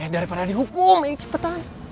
daripada dihukum ayo cepetan